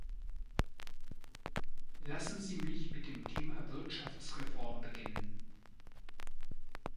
Lassen Sie mich mit dem Thema Wirtschaftsreform beginnen.